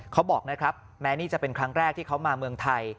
เขาบอกนะครับแม้นี่จะเป็นครั้งแรกที่เขามาเมืองไทย